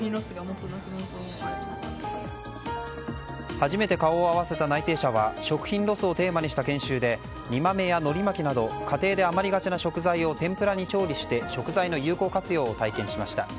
初めて顔を合わせた内定者は食品ロスをテーマにした研修で煮豆やのり巻きなど家庭で余りがちな食材を天ぷらに調理して食材の有効活用を体験しました。